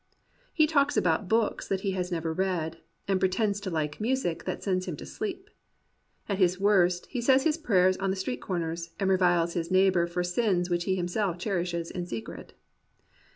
He talks about books that he has never read, and pretends to like music that sends him to sleep. At his worst, he says his prayers on the street corners and reviles his neighbour for sins which he himself cherishes in secret.